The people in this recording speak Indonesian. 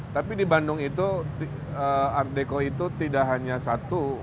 tapi di bandung itu art deko itu tidak hanya satu